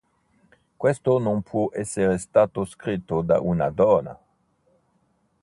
Questo non può essere stato scritto da una donna...!